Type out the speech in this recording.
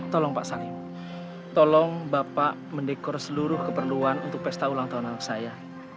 tolong pak salim tolong bapak mendekor seluruh keperluan untuk pesta ulang tahun anak saya